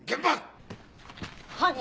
犯人